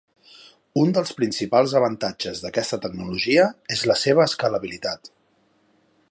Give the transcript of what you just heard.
Un dels principals avantatges d'aquesta tecnologia és la seva escalabilitat.